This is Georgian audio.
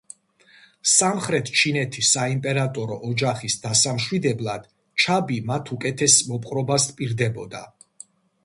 სამხრეთ ჩინეთის საიმპერატორო ოჯახის დასამშვიდებლად, ჩაბი მათ უკეთესი მოპყრობას პირდებოდა.